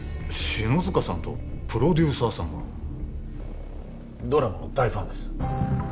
篠塚さんとプロデューサーさんがドラマの大ファンです